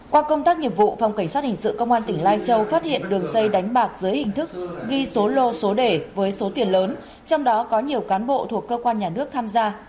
qua công tác nghiệp vụ phòng cảnh sát hình sự công an tỉnh lai châu phát hiện đường dây đánh bạc dưới hình thức ghi số lô số đề với số tiền lớn trong đó có nhiều cán bộ thuộc cơ quan nhà nước tham gia